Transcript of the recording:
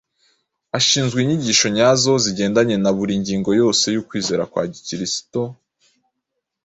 ashinzwe inyigisho nyazo zigendanye na buri ngingo yose y’ukwizera kwa Gikristo,